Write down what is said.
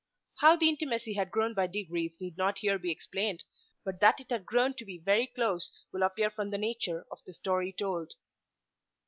How the intimacy had grown by degrees need not here be explained, but that it had grown to be very close will appear from the nature of the story told.